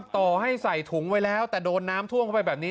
ต่อให้ใส่ถุงไว้แล้วแต่โดนน้ำท่วมเข้าไปแบบนี้